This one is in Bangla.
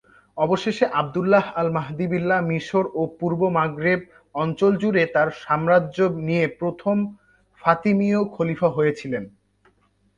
অবশেষে আবদুল্লাহ আল-মাহদী বিল্লাহ মিশর ও পূর্ব মাগরেব অঞ্চল জুড়ে তাঁর সাম্রাজ্য নিয়ে প্রথম ফাতিমীয় খলিফা হয়েছিলেন।